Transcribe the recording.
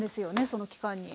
その期間に。